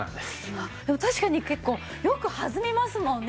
確かに結構よく弾みますもんね。